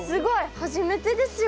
初めてですよ。